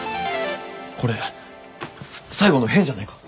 これ最後の変じゃないか？